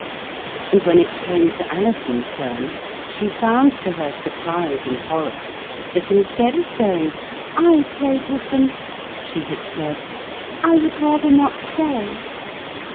And when it came to Alison's turn, she found to her surprise and horror that instead of saying, 'I played with them,' she had said, 'I would rather not say.'